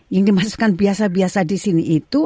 yang dimaksudkan biasa biasa di sini itu